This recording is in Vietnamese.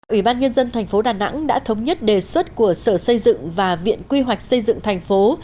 ủy ban nhân dân thành phố đà nẵng đã thống nhất đề xuất của sở xây dựng và viện quy hoạch xây dựng thành phố